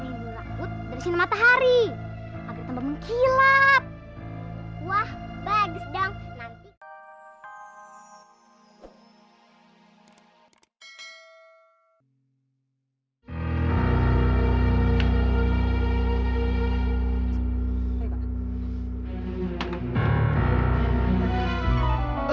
melakukannya matahari agar mengkilap wah bagi sedang nanti hai hai hai hai hai hai hai